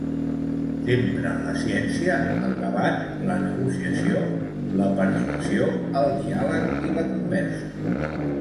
S'empra en la ciència, el debat, la negociació, la persuasió, el diàleg i la conversa.